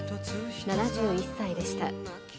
７１歳でした。